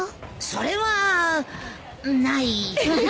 それはない。